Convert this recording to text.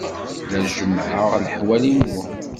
La jemmɛeɣ leḥwal-inu.